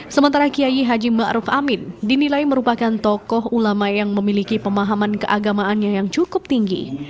sementara kiai haji ⁇ maruf ⁇ amin dinilai merupakan tokoh ulama yang memiliki pemahaman keagamaannya yang cukup tinggi